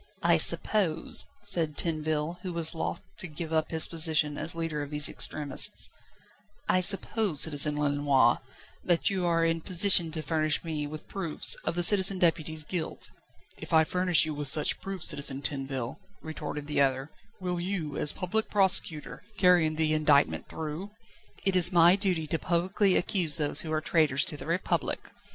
"I suppose," said Tinville, who was loth to give up his position as leader of these extremists "I suppose, Citizen Lenoir, that you are in position to furnish me with proofs of the Citizen Deputy's guilt?" "If I furnish you with such proofs, Citizen Tinville," retorted the other, "will you, as Public Prosecutor, carry the indictment through?" "It is my duty to publicly accuse those who are traitors to the Republic."